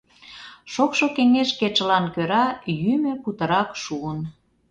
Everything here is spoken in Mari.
Шокшо кеҥеж кечылан кӧра йӱмӧ путырак шуын.